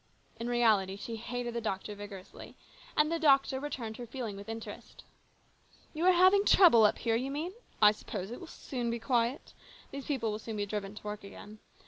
In reality she hated the doctor vigorously, and the doctor returned her feeling with interest. " You are having trouble up here, you mean ? I suppose it will soon be quiet. These people will soon be driven to work again.